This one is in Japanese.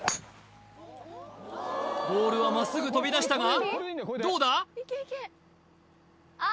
ボールはまっすぐ飛び出したがどうだ？